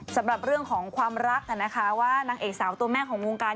สำหรับเรื่องของความรักนะคะว่านางเอกสาวตัวแม่ของวงการ